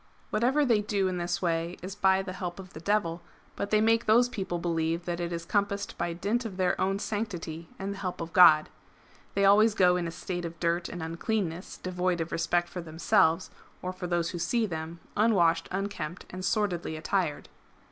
Whatever they do in this way is by the help of the Devil, but they make those people believe that it is compassed by dint of their own sanctity and the help of God.^ [They always go in a state of dirt and uncleanness, devoid of respect for themselves, or for those who see them, unwashed, unkempt, and sordidly attired.